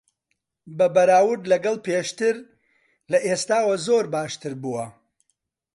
بە بەراورد لەگەڵ پێشتر، لە ئێستاوە زۆر باشتر بووە.